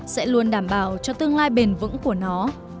sẽ luôn đảm bảo cho tương lai bền vững của nó